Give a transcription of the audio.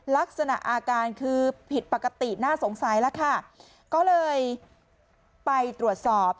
ลักษณะอาการคือผิดปกติน่าสงสัยแล้วค่ะก็เลยไปตรวจสอบ